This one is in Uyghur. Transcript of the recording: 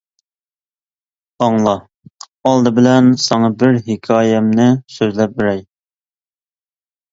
ئاڭلا، ئالدى بىلەن ساڭا بىر ھېكايەمنى سۆزلەپ بېرەي.